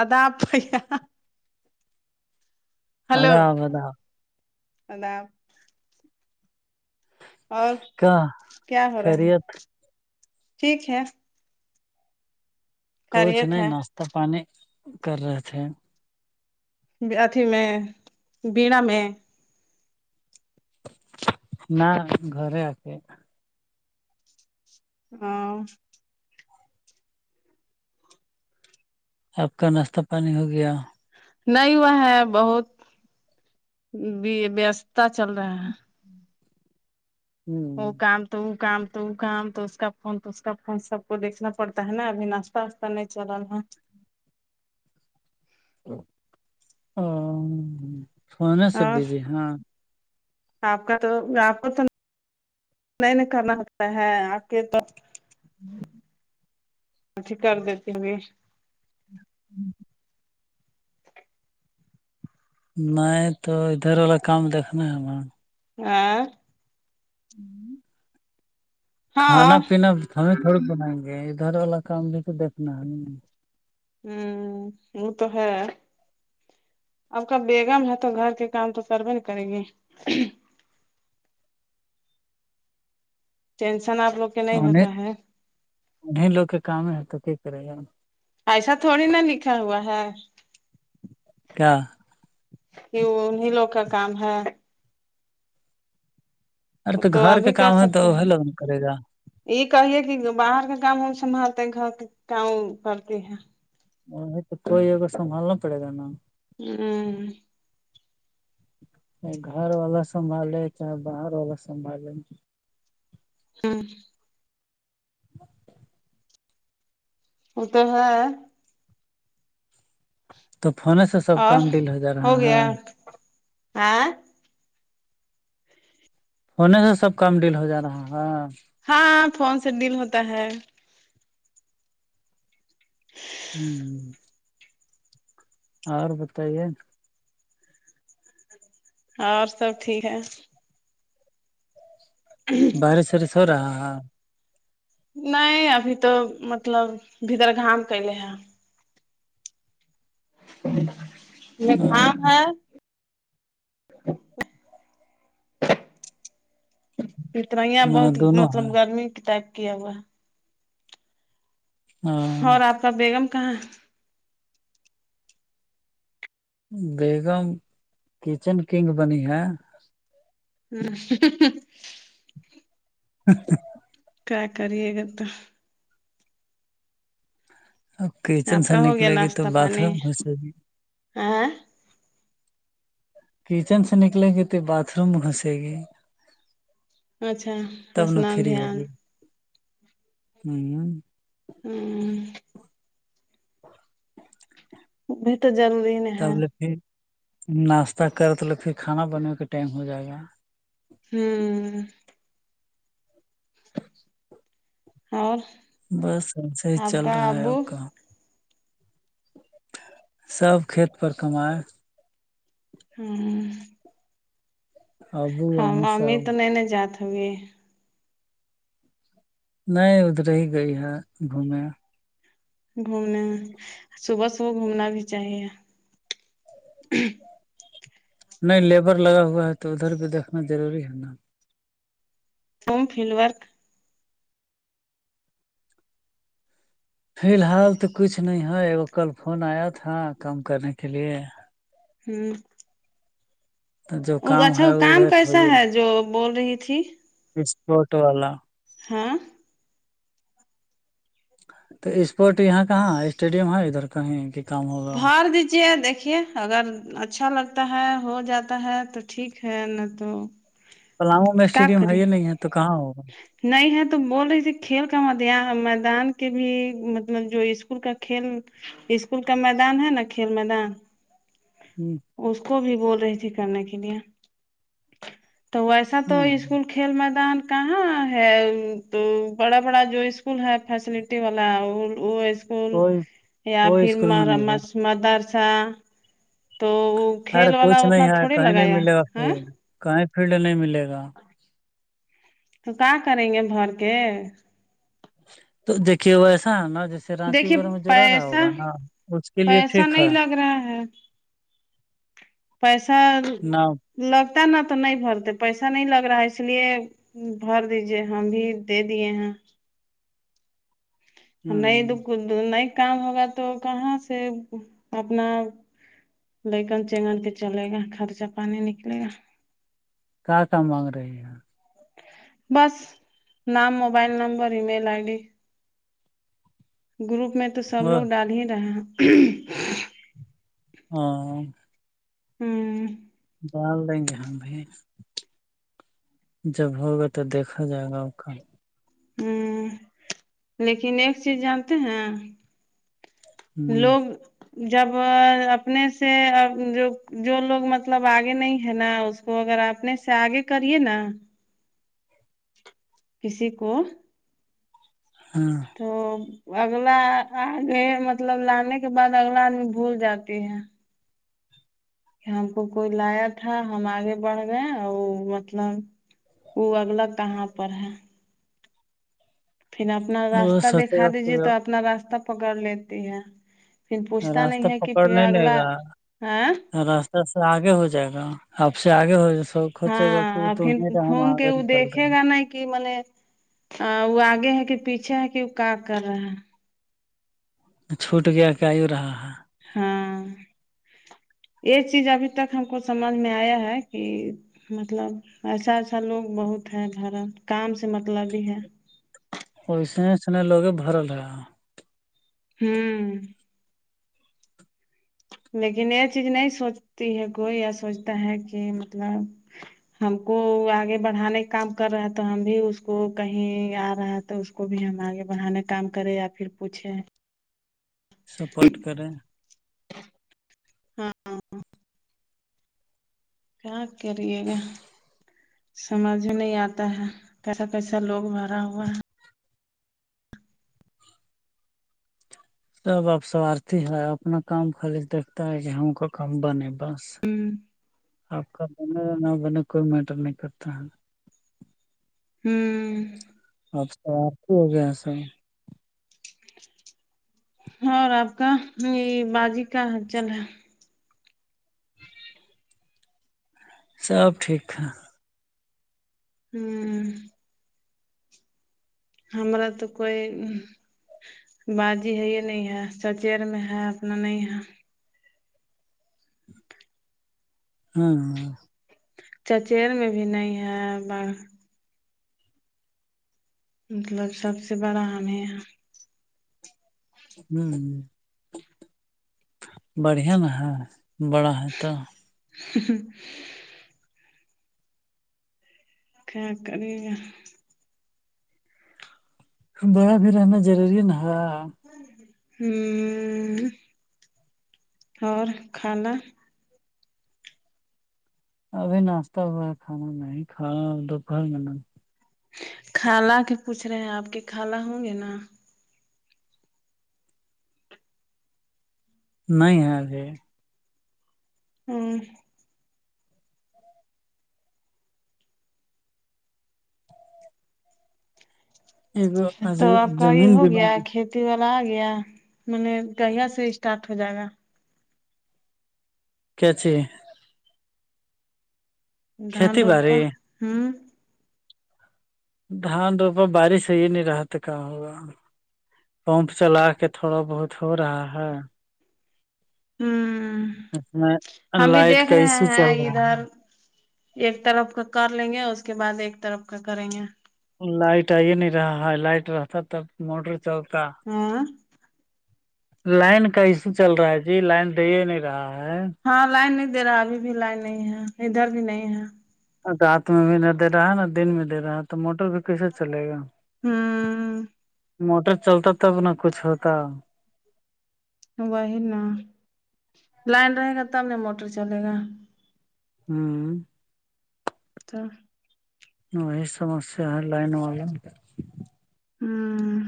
ادا پ ہلو آداب آداب مدام اور کا کیا ہو رہا ہیں خیریت ٹھیک ہے کچھ خیریت نہیں ہے ناشتہ پانی کر رہے تھ اھی میں بیڑا میں نہ گھر آسے ہاں آپ کا ناشتہ پانی ہو گیا نہیں وہا ہے بہت وستتا چل رہا ہے ا کام تو وہ کام تو ا کام تو اس کا فون تو اس کا فون سب کو دیکھنا پڑتا ہے نا ابھی ناش فستا نہیں چل ہا او سونے سے ہے اور بھیجی ہاں آپ کا تو آپ کو تو کرنا ہوتا ہے آپ کے تو [inaudible] اٹھی کر دیتی ہوئے [inaudible] نہیں تو ادھر والا کام دیکھنا ہے نا ہاں [inaudible] کھانا ہاں ہ پینا ہمیں تھوڑی بنائیں گے ادھر والا کام بھی تو دیکھنا ہے نہیں ہاں وہ تو ہے آپ کا بیگم ہے تو گھر کے کام تو کروے ن کرے گی ٹینشن آپوگ ان انہیں لوگ کے کام ہے تو کی کرے گا ایسا تھوڑی نا لکھا ہوا ہے کیا کی انہی لوگ کا کام ہے ارے تو گھر کے ابھی کر کام ہے تو سکتے وہ ہیں لوگن کرے گا یہ کہیے کہ باہر کا کام ہم سنبھالتے ہیں گھر کے کام کرتے ہیں نہیں نہیں تو ہی ہوگگر سنبھالنا پڑے گا نا ہاں گھر والا سنبھالے چاہے باہر والا سنبھالیں ہاں وہ تو ہے تو فونے سے سب اور کام ڈیل ہو جا رہا ہے ہیں فون سے سب کام ڈیل ہو جا رہا ہے ہاں فون سے ڈیل ہوتا ہے ہاں اور بتائیے اور سب ٹھیک ہے بارش وارش ہو رہا ہے نہیں ابھی تو مطلب بدر گھام کیلے ہیں ہاں [unintelligible] [inaudible] اتنایا میں بہت دونوں مطلب ہے گرمی کی ٹائپ کیا ہوا ہے ہاں اور آپ کا بیگم کہاں ہے بیگم کچن کنگ بنی ہے [unintelligible] [inaudible] کیا کریے گا تو اب کچن آپ سے کا ہو گیا نکلے گی تو باتھ روم گھسے گی ہاں کچن سے نکلیں گی تو باتھ روم میں گھسے گی اچھا تب ن اسنان فری دھیان ہوگی [unintelligible] [unintelligible] [inaudible] تب ل [unintelligible] پھر ناشتہ کر تو ل پھر کھانا بننےے کا ٹائم ہو جائے گا ہوں [inaudible] اور بس صی آپ چل کا رہا ہے ا ابو کام سب کھیت پر کمائے ہوں ابو ہاں امی ممی سب تو نہیں نہیں جاتات ہوی نہیں ادھر ہی گئی ہے گھومے گھومنے میں صبح صبح گھومنا بھی چاہیے نہیں لیبر لگا ہوا ہے تو ادھر بھی دیکھنا ضروری ہے نا ف فلڈ وورک فی الحال تو کچھ نہیں ہے ای کل فون آیا تھا کام کرنے کے لیے ہوں تو جو وہ اچھا وہ ہے کام ادھر کیسا ہے جو بول رہی تھی فسپورٹ والا ہاں تو اسپورٹ یہاں کہاں اسٹیڈیم ہے ادھر کہیں کام ہوگا بار دیجیے دیکھیے اگر اچھا لگتا ہے ہو جاتا ہے تو ٹھیک ہے نہ تو پلاؤں میں کیا اسٹیڈیم ہے کرے یہ نہیں ہے تو کہاں ہوگا نہیں ہے تو بول رہی تھی کھیل کا مد میدان کے بھی مطلب جو اسکول کا کھیل اسکول کا میدان ہے نا کھیل میدان [unintelligible] اس کو بھی بول رہی تھی کرنے کے لیے تو ویسا تو ہوں، اسکول کھیل میدان کہاں ہے تو بڑا بڑا جو اسکول ہے فیسلٹی والا وہ کول کوئی یا کوئی پھر اسکول میں نہیں ہے مدرسہ تو یارے کھیل والا کچھ نہیں اتنا ہے تھوڑی کہیں نہیں لگایا ملے گا ہے فیلڈ کہیں فیلڈ نہیں ملے گا تو کیا کریں گے بھر کے تو دیکھیے وہا ایسا ہے نا جیسے رانچی دیکھیے وغیرہ میں جو رہ رہا پیسہ ہوگا نا اس کے لیے پیسہ ٹھیک ہے نہیں لگ رہا ہے پیسہ نہ لگتا نا تو نہیں بھرتے پیسہ نہیں لگ رہا ہے اس لیے بھر دیجیے ہم بھی دے دیے ہیں نہیں نہیں کام ہوگا تو کہاں سے اپنا لگن چگن کے چلے گا خرچہ پانی نکلے گا کہاں کہاں مانگ رہے ہیں بس نام mobile number email I D group میں تو سب وہ لوگ ڈال ہی رہے ہاں ہوں ڈال دیں گے ہماں بھیائی جب ہوگا تو دیکھا جائے گا آ کا ہوں لیکن ایک چیز جانتے ہیں ہ لوگ جب اپنے سے جو جو لوگ مطلب آگے نہیں ہے نا اس کو اگر آنے سے آگے کریے نا کسی کو ہاں تو اگلا آگے مطلب لانے کے بعد اگلا آدمی بھول جاتی ہے ہم کو کوئی لایا تھا ہم آگے بڑھ گئے اور مطلب وہ اگلا کہاں پر ہے پھر اپنا وہ راستہ سوچے دیککھا گا کہ دیجیے تو اب اپنا راستہ پکڑ لیتی ہے پھر پوچھتا نہیں راستہ ہے کہ پکڑ پ نہیں لے اگلا گا ہ راستہ آگے ہو جائے گا آپ سے آگے ہو سب ہاں پھر گھوم کے وہ دیکھے رہے گا ہیں ن کہ م نے وہ آگے ہے کہ پیچھے ہے کہ وہ کا کر رہا ہے چھوٹ گیا کہ آو رہا ہے ہاں یہ چیز ابھی تک ہم کو سمجھ میں آیا ہے کہ مطلب ایسا ایسا لوگ بہت ہے گھر کام سے مطلب بھی ہے اسے اسنے لوگے بھرل ہے ہوں لیکن یہ چیز نہیں سوچتی ہے کوئی سوچتا ہے کہ مطلب ہم کو آگے بڑھانے کا کام کر رہا ہے تو ہم بھی اس کو کہیں آ رہا ہے تو کو بھی ہم آگے بڑانے کام کریں یا پھر پوچے سپورٹ کریں ہاں کیا کریے گا سمجھ میں نہیں آتا ہے کیسا کیسا لوگ بھرا ہوا ہے تب آپ سوارتھی ہے اپنا کام خالی دیکھتا ہے کہ ہم کا کام بنے بس ہے آپ کا بنے نہ بنے کوئی میٹر نہیں کرتا ہے ہوں اب تو آر کی ہو گیا سب اور آپ کا یہ بازی کا حل چل ہے سب ٹھیک تھا ہوں ہمر تو کوئی بازی ہے یہ نہیں ہے سچیر میں ہے اپنا نہیں ہے ہاں چچیر میں بھی نہیں ہے بڑھ [unintelligible] مطلب سب سے بڑا ہم یہاں ہ بڑھیا نہا ہے بڑا ہے تو ہ [inaudible] کیا کرییا بیا بھی رہنا ضروری نہ ہے ہ اور کھانا ابھی ناشتہ ویر کھانا میں کھا گھر میں کالہ کے پوچھ رہے ہیں آپ کے کالہ ہوں گے نا نہیں ہے ابھی ہوں تو آپ کا یہ ہو گیا کھیت ک والا آ گیا م نے گہیا سے اسٹارٹ ہو جائے گا کیاچ دھان روپا ہوں دھان روپا بارش سے ہی نہیں رہا تھا کہاں ہوگا پمپ چلا کے تھوڑا بہت ہو رہا ہے ہوں اس میں ہم بھی لائٹ دیکھ کا رہے ایشو ہیں چل رہا ادھر ہے ایک طرف کا کر لیں گے اس کے بعد ایک طرف کا کریں گے لائٹ آئیے نہیں رہا ہے لائٹ رہتا تب موٹر چوک ہاں لائن کا ایشو چل رہا ہے جی لائن دے نہیں رہا ہے ہاں لائن نہیں دے رہا ابھی بھی لائن نہیں ہے ادھر بھی نہیں ہے رات میں بھی نہ دے رہا ہے نہ دن میں دے رہا ہے تو موٹر بھی کیسے چلے گا ہاں موٹر چلتا تب نہ کچھ ہوتا وہی نا لائن رہے گا تب ن موٹر چلے گا ہوں تو وہی سمسیا ہے لائن والا ہوں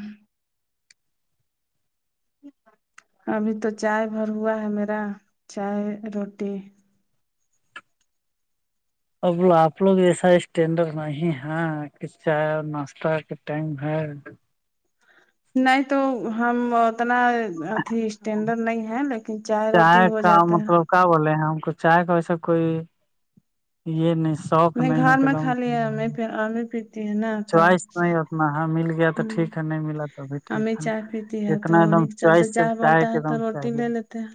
ابھی تو چائے بھر ہوا ہے میرا چائے روٹی ا آپ لوگ ایسا اسٹینڈرڈ نہیں ہے کہ چائے ناشتہ کے ٹائم ہے نہیں تو ہم اتنا اھی اسٹینڈرڈ نہیں ہے لیکن چائے روٹی ہو جاتا ہے ک بولے ہیں ہم کو چائے کا ویسا کوئی یہ نہیں شوق نہیں ہے ایک دم ا پ [unintelligible] چوائس نہیں اتنا ہ مل گیا تو ہ ٹھیک ہے نہیں ملا توبھی ٹھیک ہمیں ہے چائے پیتی ہے تو اتنا ایک دم انہیں کے چوس چلتے سے چائے چاہے بنتا کے ہے دم تو روٹی چاہے لے لیتے ہیں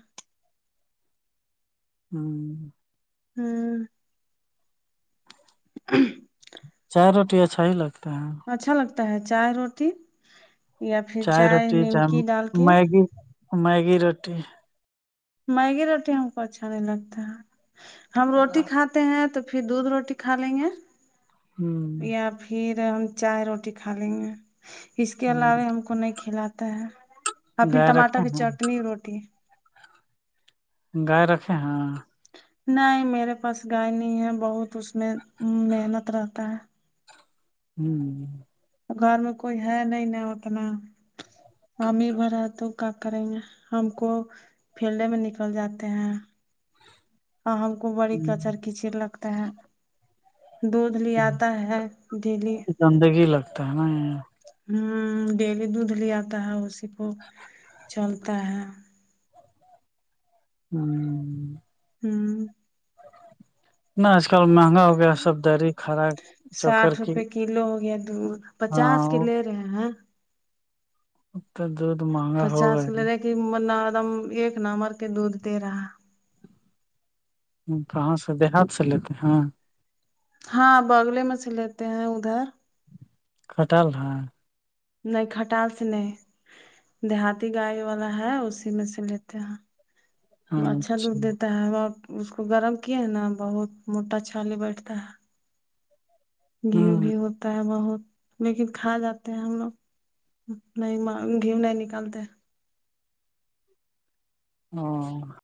ہ ہوں [inaudible] چار روٹی اچھا ہی لگتا ہے اچھا لگتا ہے چائے روٹی یا پھر چائے روٹی چاہے نیمکی ڈال کے میگی میگی روٹی میگی روٹی ہم کو اچھا نہیں لگتا ہم روٹی کھاتے ہیں تو پھر دودھ روٹی کھا لیں گے ہ یا پ پھر ہم چائے روٹی کھا لیں گے اس کے علاوہ ہم کو نہیں کھلاتا ہے اور پھر گائے ٹماٹر رکھے کی ہیں چٹنی روٹی گائے رکھے ہاں نہیں میرے پاس گائے نہیں ہے بہت اس میں محنت رہتا ہے ہوں گھر میں کوئی ہے نہیں ن اتنا ممی بھر ہے تو کیا کریں گے ہم کو فیلڈ میں نکل جاتے ہیں اور ہم کو بڑی کچر کچڑ لگتا ہے دھ لی آتا ہے دلی گندگی لگتا ہے نا ہوں ڈیلی دودھ لے آتا ہے اسی کو چلتا ہے ہوں ہوں ن آج کل مہنگا ہو گیا سب دریی کرا چوکر ساٹھ کی روپے کلو ہو گیا تو پچاس ہاں کے وہ لے رہے ہیں مت دود مہگا ہوگاا منا دم ایک ن مر کے دودھ ت رہا کہاں سے دیہات سے لیتے ہیں ہاں بگلے میں سے لیتے ہیں ادھر کھٹال رہا نہیں کٹاس نہیں دیہاتی گائے والا ہے اسی میں سے لیتے ہیں اچھا دودھ دیتا ہے اور اس کو گرم کیا ہے نا بہت موٹا چالی بیٹھتا ہے گھی بھی ہوتا ہے بہت لیکن کھا جاتے ہیں ہم لوگ نہیں گھی نہیں نکالتے ہاں